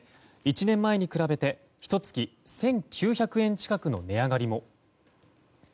１年前に比べひと月１９００円近くの値上げも。